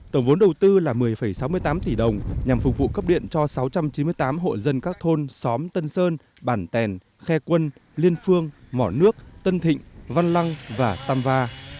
tổng vốn đầu tư là một mươi sáu mươi tám tỷ đồng nhằm phục vụ cấp điện cho sáu trăm chín mươi tám hộ dân các thôn xóm tân sơn bản tèn khe quân liên phương mỏ nước tân thịnh văn lăng và tam va